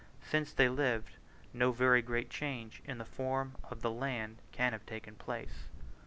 Since they lived, no very great change in the form of the land can have taken place.